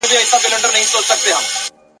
نور مي د ژوند سفر لنډ کړی دی منزل راغلی !.